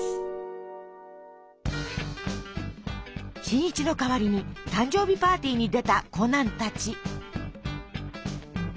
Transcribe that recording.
新一の代わりに誕生日パーティーに出たコナンたち。